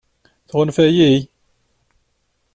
Tɣunfa-yi?